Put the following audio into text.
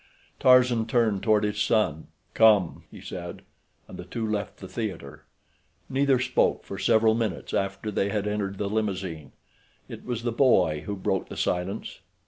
Tarzan turned toward his son. "Come!" he said, and the two left the theater. Neither spoke for several minutes after they had entered the limousine. It was the boy who broke the silence.